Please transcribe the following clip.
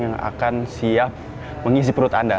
yang akan siap mengisi perut anda